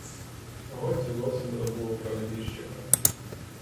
Гості зовсім забули про небіжчика.